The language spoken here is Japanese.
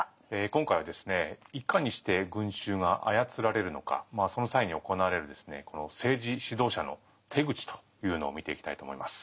今回はいかにして群衆が操られるのかその際に行われるこの政治指導者の手口というのを見ていきたいと思います。